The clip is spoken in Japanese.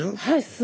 はい。